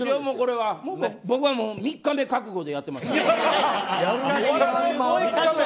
僕はもう３日目、覚悟でやってます。